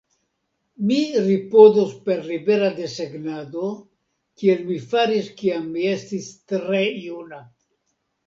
"Mi ripozos per libera desegnado, kiel mi faris kiam mi estis tre juna."